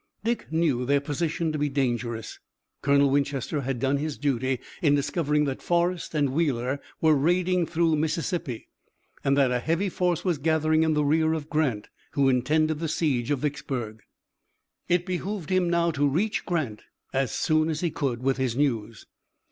Dick knew their position to be dangerous. Colonel Winchester had done his duty in discovering that Forrest and Wheeler were raiding through Mississippi, and that a heavy force was gathering in the rear of Grant, who intended the siege of Vicksburg. It behooved him now to reach Grant as soon as he could with his news.